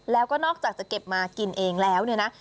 แล้วก็นอกจากจะเก็บมากินเองแล้วเนี่ยนะ